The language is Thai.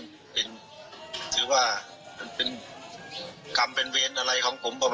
อุ่นต้องมีกลุ่นแกข่าวแม่มันจะไม่มีครับ